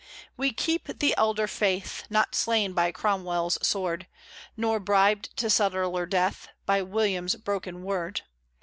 We keep the elder faith, Not slain by Cromwell's sword; Nor bribed to subtler death By William's broken word.